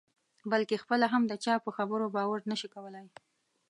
بلکې خپله هم د چا په خبرو باور نه شي کولای.